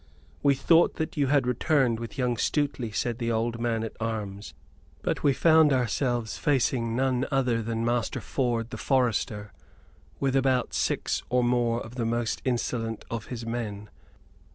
"We thought that you had returned with young Stuteley," said the old man at arms; "but we found ourselves facing none other than Master Ford the forester, with about six or more of the most insolent of his men.